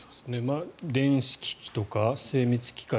電子機器とか精密機械